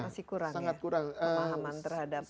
masih kurang ya pemahaman terhadap